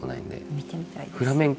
見てみたいです。